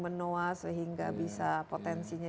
benoa sehingga bisa potensinya